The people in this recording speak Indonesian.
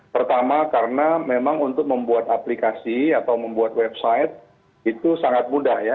pertama karena memang untuk membuat aplikasi atau membuat website itu sangat mudah ya